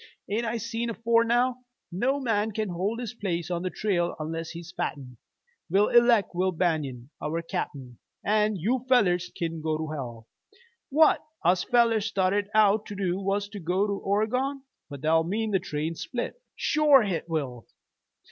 An' I seen afore now, no man can hold his place on the trail unless'n he's fitten. We'll eleck Will Banion our cap'n, an' you fellers kin go to hell. What us fellers started out to do was to go to Oregon." "But that'll mean the train's split!" "Shore hit will!